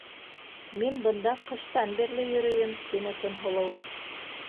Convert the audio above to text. Мин бында ҡыштан бирле йөрөйөм, - тине Көнһылыу.